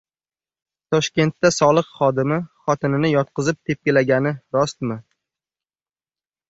Toshkentda soliq xodimi xotinini yotqizib, tepkilagani rostmi?